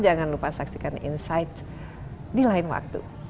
jangan lupa saksikan insight di lain waktu